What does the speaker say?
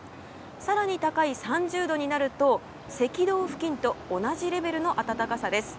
更に高い３０度になると赤道付近と同じレベルの暖かさです。